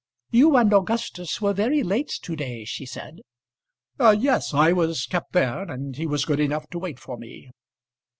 "You and Augustus were very late to day," she said. "Yes. I was kept there, and he was good enough to wait for me."